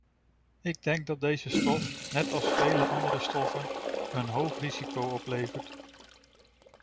Ik denk dat deze stof, net als vele andere stoffen, een hoog risico oplevert.